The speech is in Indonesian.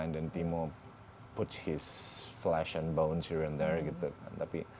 dan timo meletakkan flash dan bouncenya di sana